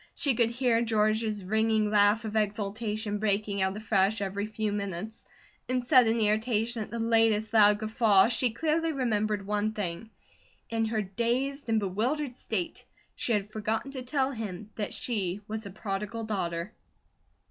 She could hear George's ringing laugh of exultation breaking out afresh every few minutes; in sudden irritation at the latest guffaw she clearly remembered one thing: in her dazed and bewildered state she had forgotten to tell him that she was a Prodigal Daughter.